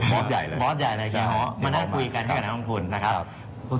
บอสใหญ่ในเกียร์ฮะมาได้คุยกันด้วยกับนักธรรมฝุ่น